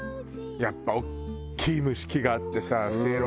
やっぱ大きい蒸し器があってさせいろ